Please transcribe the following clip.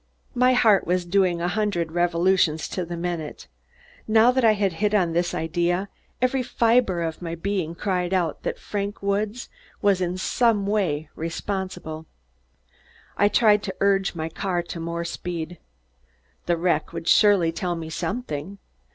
My heart was doing a hundred revolutions to the minute. Now that I had hit on this idea, every fiber of my being cried out that Frank Woods was in some way responsible. I tried to urge my car to more speed. The wreck would surely tell me something.